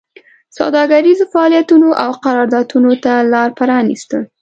سوداګریزو فعالیتونو او قراردادونو ته لار پرانېسته